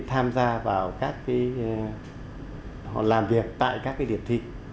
tham gia vào các làm việc tại các điểm thi